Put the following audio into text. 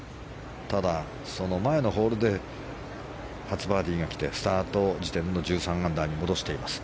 ただ、その前のホールで初バーディーが来てスタート時点の１３アンダーに戻しています。